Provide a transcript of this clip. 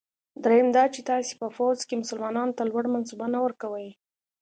دریم دا چې تاسي په پوځ کې مسلمانانو ته لوړ منصبونه نه ورکوی.